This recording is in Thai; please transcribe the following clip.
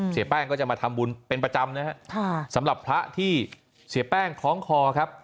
เสียแป้งก็จะมาทำบุญเป็นประจำนะฮะสำหรับพระที่เสียแป้งคล้องคอครับ